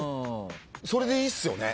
それでいいっすよね。